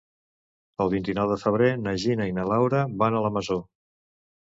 El vint-i-nou de febrer na Gina i na Laura van a la Masó.